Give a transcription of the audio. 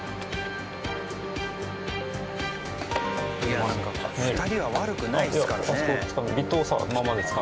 いやなんか２人は悪くないですからね。